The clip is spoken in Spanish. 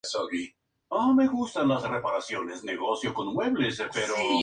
Todo lo que sea necesario para subsistir durante una semana.